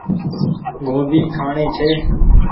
گوڀي کآڻي ڇي۔